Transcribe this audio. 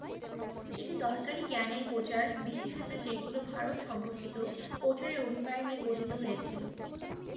এটি "দরকারী জ্ঞানের প্রচার, বিশেষত যেগুলো ভারত সম্পর্কিত" প্রচারের অভিপ্রায় নিয়ে গঠিত হয়েছিল।